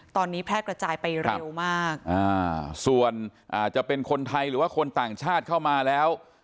ตอนนี้แพร่กระจายไปเร็วมากอ่าส่วนอ่าจะเป็นคนไทยหรือว่าคนต่างชาติเข้ามาแล้ว